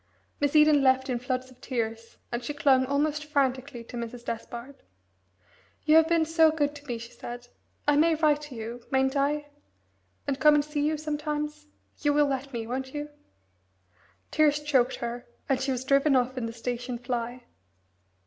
Miss Eden left in floods of tears, and she clung almost frantically to Mrs. Despard. "You have been so good to me," she said. "I may write to you, mayn't I? and come and see you sometimes? You will let me, won't you?" Tears choked her, and she was driven off in the station fly.